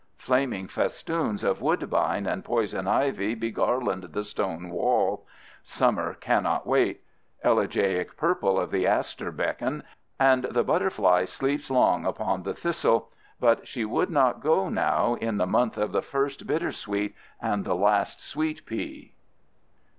Flaming festoons of woodbine and poison ivy begarland the stone wall. Summer cannot wait. Elegiac purples of the aster beckon, and the butterfly sleeps long upon the thistle, but she would not go now, in the month of the first bittersweet and the last sweet pea.